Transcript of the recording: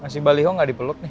si mba lihong gak dipeluk nih